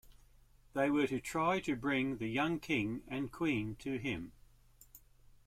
They were to try to bring the young King and Queen to him.